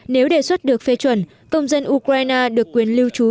nếu đề xuất được phê chuẩn công dân ukraine được quyền lưu trú